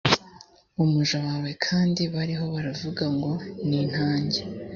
umuja wawe kandi bariho baravuga ngo nintange